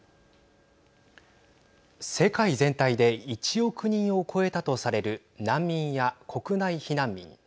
世界全体で１億人を超えたとされる難民や国内避難民。